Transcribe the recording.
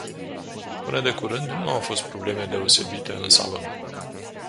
Până de curând nu au fost probleme deosebite în salon.